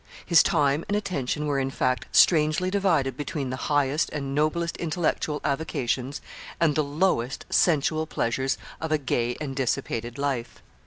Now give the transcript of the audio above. His time and attention were, in fact, strangely divided between the highest and noblest intellectual avocations, and the lowest sensual pleasures of a gay and dissipated life.